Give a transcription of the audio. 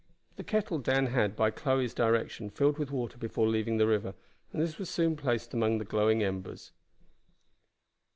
The kettle Dan had, by Chloe's direction, filled with water before leaving the river, and this was soon placed among the glowing embers.